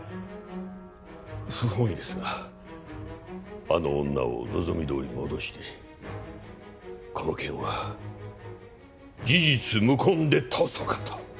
不本意ですがあの女を望みどおり戻してこの件は事実無根で通そうかと。